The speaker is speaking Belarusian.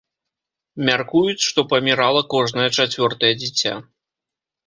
Мяркуюць, што памірала кожнае чацвёртае дзіця.